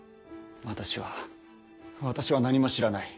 私は私は何も知らない。